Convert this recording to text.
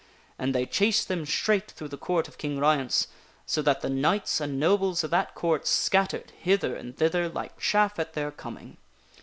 And they chased them straight through the Court of King Ryence, so that the knights and nobles of that Court scattered hither and thither like chaff at their coming.